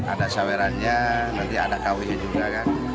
ada sawerannya nanti ada kw juga kan